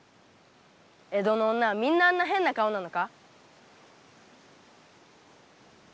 江戸の女はみんなあんな変な顔なのか？